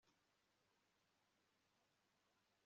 amafaranga yahawe numuntu atazi maze bikamucanga